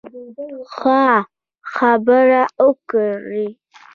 ښه، خبرې وکړئ